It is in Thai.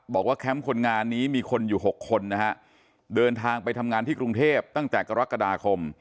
แคมป์คนงานนี้มีคนอยู่๖คนนะฮะเดินทางไปทำงานที่กรุงเทพตั้งแต่กรกฎาคม